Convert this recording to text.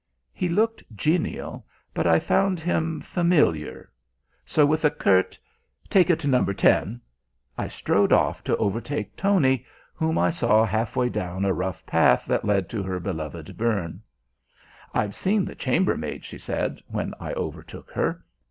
He looked genial, but I found him familiar, so with a curt: "Take it to number ten," I strode off to overtake Tony, whom I saw half way down a rough path that led to her beloved "burn." "I've seen the chambermaid," she said, when I overtook her.